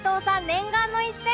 念願の一戦